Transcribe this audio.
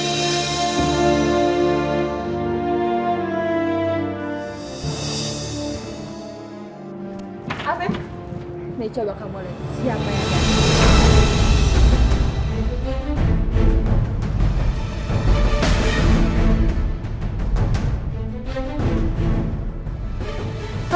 afif nih coba kamu lihat siapa yang ada